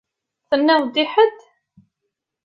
Tenniḍ i ḥedd?